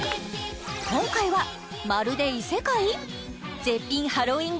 今回はまるで異世界！？